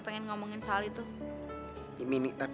hei di indonesia